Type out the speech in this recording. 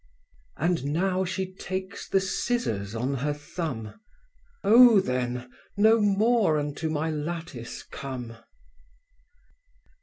And now she takes the scissors on her thumb … Oh then, no more unto my lattice come.